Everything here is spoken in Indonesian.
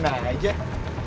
belum ada yang booking